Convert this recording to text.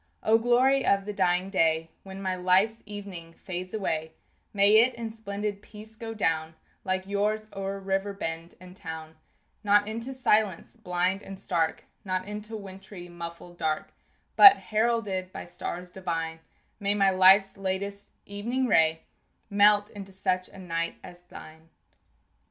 O glory of the dying day, When my life's evening fades away, May it in splendid peace go down Like yours o'er river bend and town Not into silence blind and stark, Not into wintry muffled dark But, heralded by stars divine, May my life's latest evening ray Melt into such a night as thine.